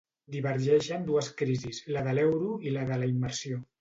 Divergeixen dues crisis, la de l'euro i la de la immersió.